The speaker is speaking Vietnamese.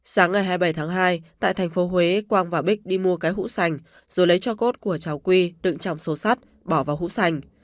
sáng ngày hai mươi bảy tháng hai tại thành phố huế quang và bích đi mua cái hũ sành rồi lấy cho cốt của cháu quy đựng trong số sắt bỏ vào hũ sành